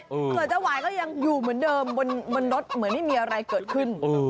ส่วนเจ้าหวายก็ยังอยู่เหมือนเดิมบนรถเหมือนไม่มีอะไรเกิดขึ้น